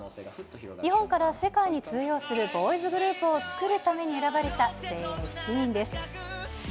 日本から世界に通用するボーイズグループを作るために選ばれた精鋭たち７人です。